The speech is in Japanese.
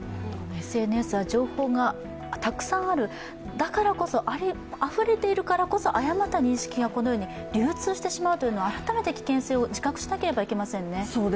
ＳＮＳは情報がたくさんあるあふれているからこそ誤った認識が流通してしまうというのを改めて危険性を自覚しなければなりませんね。